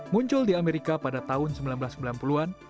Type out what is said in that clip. muncul di amerika pada tahun seribu sembilan ratus sembilan puluh an